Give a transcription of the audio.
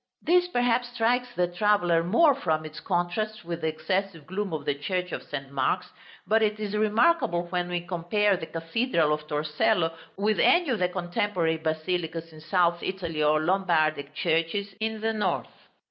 This perhaps strikes the traveller more from its contrast with the excessive gloom of the Church of St. Mark's; but it is remarkable when we compare the Cathedral of Torcello with any of the contemporary basilicas in South Italy or Lombardic churches in the North.